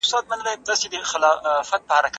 ما یو ښکلی ګلدان جوړ کړی دی.